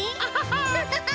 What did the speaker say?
ハハハッ！